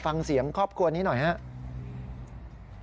ฟังเสียงครอบครัวนี้หน่อยครับ